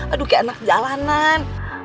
aduh kaya anak jalanan